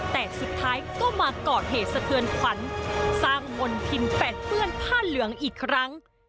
แต่สุดท้ายก็มาก่อเหตุสะเทือนขวัญสร้างมณฑินแปดเปื้อนผ้าเหลืองอีกครั้ง